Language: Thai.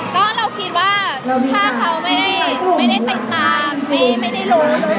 ก็คิดว่าถ้าเขาติดตามไม่ได้รู้